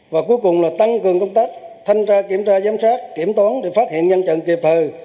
và cuối cùng là tăng cường công tác thanh tra kiểm tra giám sát kiểm toán để phát hiện ngăn chặn kịp thời